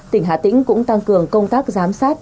tỉnh hà tĩnh cũng tăng cường công tác giám sát